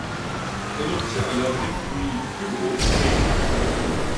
On obtient alors des fruits plus gros et plus savoureux.